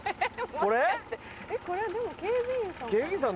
これでも警備員さん。